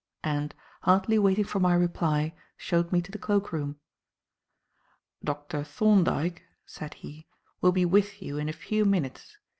and, hardly waiting for my reply, showed me to the cloak room. "Dr. Thorndyke," said he, "will be with you in a few minutes.